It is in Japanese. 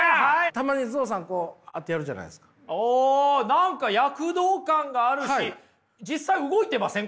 何か躍動感があるし実際動いてません？